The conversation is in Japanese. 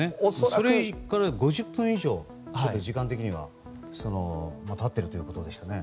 それから５０分以上、時間的には経っているということでしたね。